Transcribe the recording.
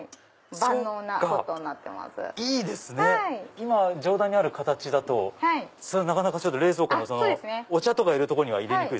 今上段にある形だとなかなか冷蔵庫のお茶とか入れるとこには入れにくい。